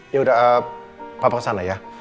yaudah pak pak kesana ya